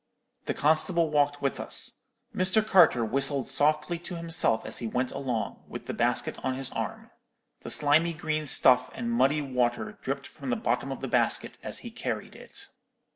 The constable walked with us. Mr. Carter whistled softly to himself as he went along, with the basket on his arm. The slimy green stuff and muddy water dripped from the bottom of the basket as he carried it.